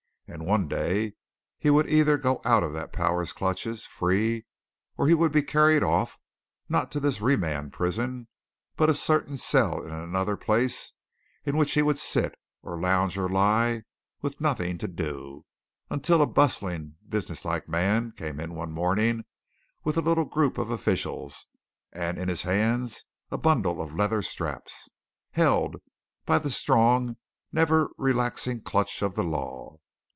And one day he would either go out of the power's clutches free, or he would be carried off, not to this remand prison but a certain cell in another place in which he would sit, or lounge, or lie, with nothing to do, until a bustling, businesslike man came in one morning with a little group of officials and in his hand a bundle of leather straps. Held! by the strong, never relaxing clutch of the law.